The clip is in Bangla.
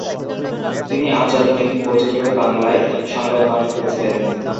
তিনি আজাদ হিন্দ ফৌজের হয়ে বাংলায় সংবাদ পাঠ করেছিলেন।